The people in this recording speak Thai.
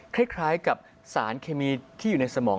คล้ายกับสารเคมีที่อยู่ในสมอง